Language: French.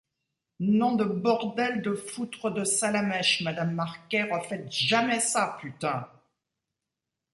Non de bordel de foutre de Salamèche Madame Marquet refaites jamais ça, putain !